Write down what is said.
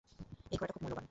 এই ঘোড়াটা খুব মূল্যবান।